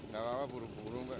gak apa apa burung burung mbak